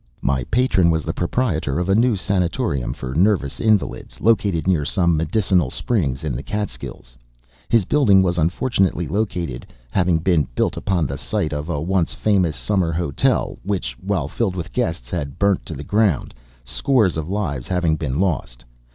My patron was the proprietor of a new sanatorium for nervous invalids, located near some medicinal springs in the Catskills. His building was unfortunately located, having been built upon the site of a once famous summer hotel, which, while filled with guests, had burnt to the ground, scores of lives having been lost.